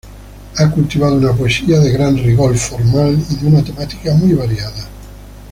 Ha cultivado una poesía de gran rigor formal y de una temática muy variada.